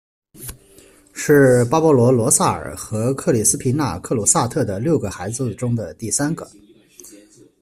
是巴勃罗·罗萨尔和克里斯皮纳·克鲁萨特的六个孩子中的第三个。